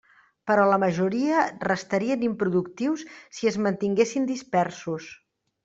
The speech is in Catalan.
Però la majoria restarien improductius si es mantinguessin dispersos.